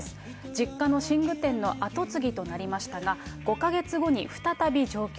実家の寝具店の後継ぎとなりましたが、５か月後に再び上京。